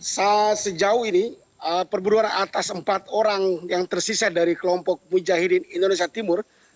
sejauh ini perburuan atas empat orang yang tersisa dari kelompok mujahidin indonesia timur